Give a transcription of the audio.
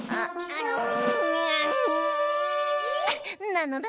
ん！なのだ！